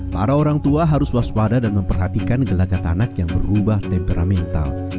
para orang tua harus waspada dan memperhatikan gelagat anak yang berubah temperamental